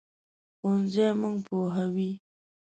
ښوونځی موږ پوهوي